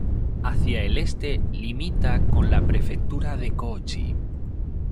Hacia el este limita con la Prefectura de Kōchi.